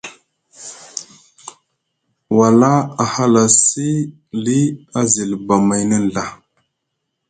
Wala a halasi li a zilba mayni nɵa.